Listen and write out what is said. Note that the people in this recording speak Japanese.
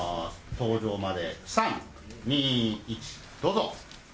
登場まで３２１どうぞ！